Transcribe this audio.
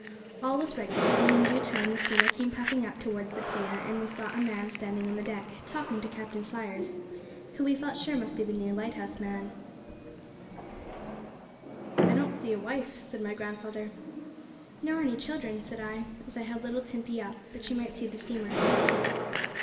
All was ready, and in due time the steamer came puffing up towards the pier, and we saw a man standing on the deck, talking to Captain Sayers, who we felt sure must be the new lighthouse man. [Illustration: 'PUFF, PUFF,' SAID LITTLE TIMPEY.] 'I don't see a wife,' said my grandfather. 'Nor any children,' said I, as I held little Timpey up, that she might see the steamer.